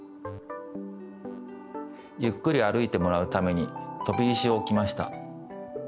ゆっくり歩いてもらうためにとび石をおきました。